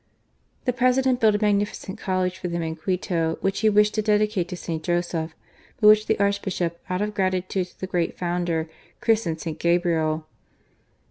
The President built a magnificent College for them in Quito, which he wished to dedicate to St. Joseph, but which the Archbishop, out of grati tude to the great Founder, christened St. Gabriel.